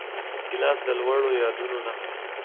ګیلاس د لوړو یادونو نښه ده.